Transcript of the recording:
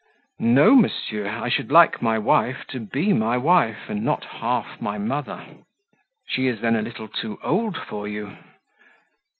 "No, monsieur; I should like my wife to be my wife, and not half my mother." "She is then a little too old for you?"